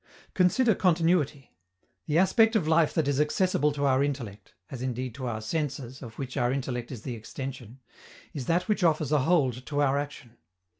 Consider continuity. The aspect of life that is accessible to our intellect as indeed to our senses, of which our intellect is the extension is that which offers a hold to our action.